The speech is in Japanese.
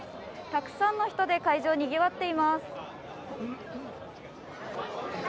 たくさんの人で会場にぎわっています。